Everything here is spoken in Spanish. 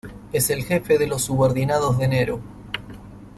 Es el jefe de los subordinados de Nero.